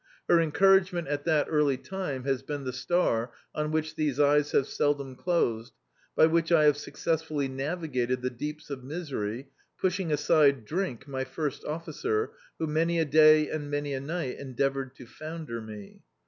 Her encouragement at that early time has been the star on which these eyes have seldom closed, by which I have successfully navigated the deeps of misery, pushing aside Drink, my first officer, who many a day and many a nig^t endeavoured to founder me.